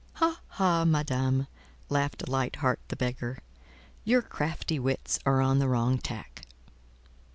"Ha! ha! Madame," laughed Light heart the Beggar, "your crafty wits are on the wrong tack."